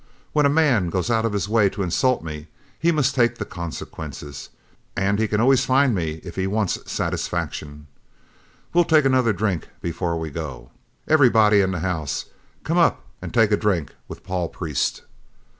When any man goes out of his way to insult me he must take the consequences, and he can always find me if he wants satisfaction. We'll take another drink before we go. Everybody in the house, come up and take a drink with Paul Priest."